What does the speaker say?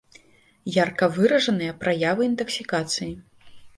Ярка выражаныя праявы інтаксікацыі.